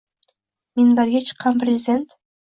Minbarga chiqqan Prezident